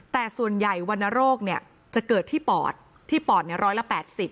แต่ส่วนใหญ่วรรณโรคเนี่ยจะเกิดที่ปอดที่ปอดร้อยละ๘๐